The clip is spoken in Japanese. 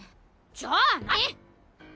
じゃあなに？